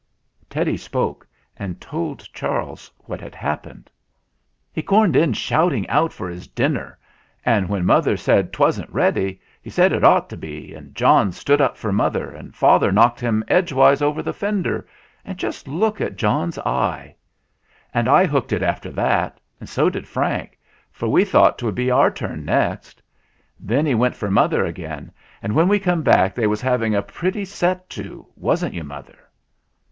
Teddy spoke and told Charles what had happened. GETS TO WORK AGAIN 79 "He corned in shouting out for his dinner, and when mother said 'twasn't ready, he said it ought to be, and John stood up for mother, and father knocked him edgewise over the fender, and just look at John's eye! And I hooked it after that, and so did Frank, for we thought 'twould be our turn next. Then he went for mother again, and when we come back they was having a pretty set to wasn't you, mother?"